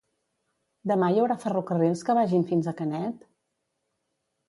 Demà hi haurà ferrocarrils que vagin fins a Canet?